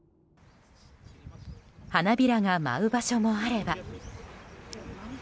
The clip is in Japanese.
花びらが舞う場所もあれば。